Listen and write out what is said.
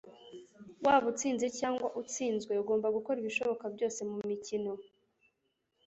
waba utsinze cyangwa utsinzwe, ugomba gukora ibishoboka byose mumikino